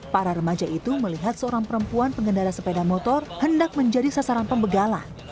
para remaja itu melihat seorang perempuan pengendara sepeda motor hendak menjadi sasaran pembegalan